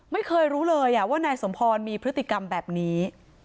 ไม่เคยรู้เลยว่านายสมพรมีพฤติกรรมแบบนี้